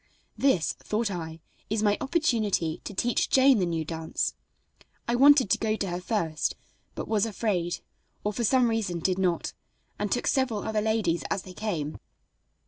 This, thought I, is my opportunity to teach Jane the new dance. I wanted to go to her first, but was afraid, or for some reason did not, and took several other ladies as they came.